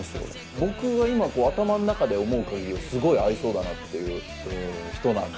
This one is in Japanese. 僕が今こう頭の中で思う限りはすごい合いそうだなっていう人なんで。